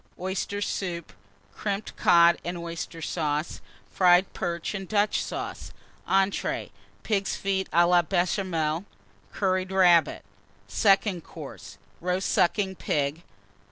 Oyster Soup. Crimped Cod and Oyster Sauce. Fried Perch and Dutch Sauce. ENTREES. Pigs' Feet à la Béchamel. Curried Rabbit. SECOND COURSE. Roast Sucking Pig.